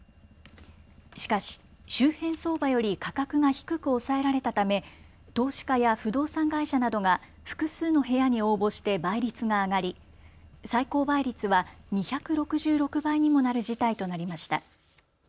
しかし周辺相場より価格が低く抑えられたため投資家や不動産会社などが複数の部屋に応募して倍率が上がり最高倍率は２６６倍にもなる事態となりました。